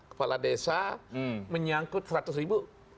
kepala desa menyangkut seratus ribu